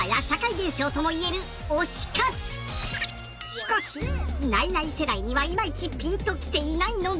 しかしナイナイ世代にはいまいちぴんときていないのでは？